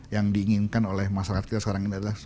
yang diinginkan oleh masyarakat kita sekarang ini adalah